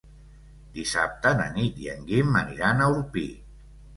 Dissabte na Nit i en Guim aniran a Orpí.